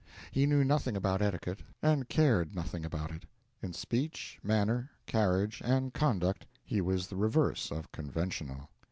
He knew nothing about etiquette, and cared nothing about it; in speech, manner, carriage, and conduct he was the reverse of conventional.